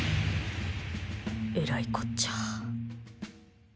えらいこっちゃ！